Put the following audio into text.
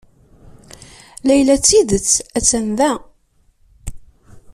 Layla d tidet a-tt-an da.